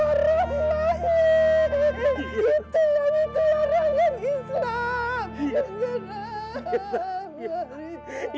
itu yang ditelurkan islam